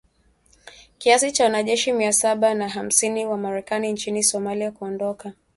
kiasi cha wanajeshi mia saba na hamsini wa Marekani nchini Somalia kuondoka